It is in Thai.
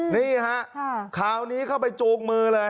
นี่ฮะคราวนี้เข้าไปจูงมือเลย